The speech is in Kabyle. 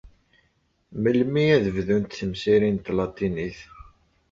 Melmi ad bdunt temsirin n tlatinit?